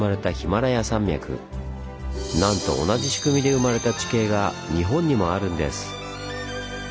なんと同じ仕組みで生まれた地形が日本にもあるんです。